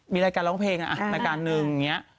มีรายการร้องเพลงอ่ะรายการหนึ่งกินอยู่น้อย